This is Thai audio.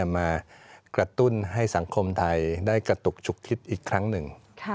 มากระตุ้นให้สังคมไทยได้กระตุกฉุกคิดอีกครั้งหนึ่ง